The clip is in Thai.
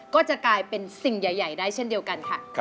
ก็จะกลายเป็นสิ่งใหญ่ได้เช่นเดียวกันค่ะ